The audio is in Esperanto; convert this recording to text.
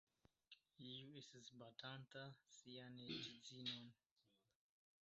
Iu estis batanta sian edzinon.